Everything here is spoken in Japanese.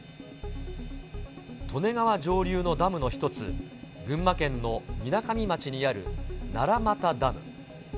利根川上流のダムの１つ、群馬県のみなかみ町にある奈良俣ダム。